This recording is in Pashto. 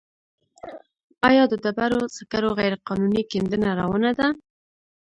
آیا د ډبرو سکرو غیرقانوني کیندنه روانه ده؟